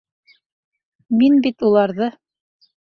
Мин бит уларҙы!